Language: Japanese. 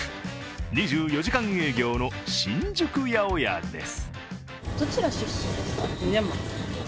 ２４時間営業の新宿八百屋です。